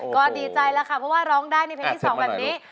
ก็ดีใจแล้วค่ะเพราะว่าร้องได้ในเพลงที่๒แบบนี้